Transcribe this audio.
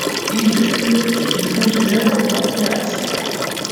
Il genere è diffuso in Europa e Asia.